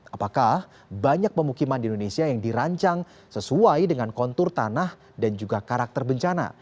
apakah banyak pemukiman di indonesia yang dirancang sesuai dengan kontur tanah dan juga karakter bencana